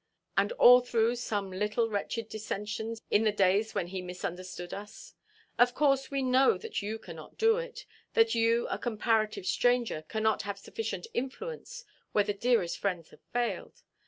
And all through some little wretched dissensions in the days when he misunderstood us! Of course we know that you cannot do it; that you, a comparative stranger, cannot have sufficient influence where the dearest friends have failed.